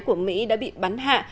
của mỹ đã bị bắn hạ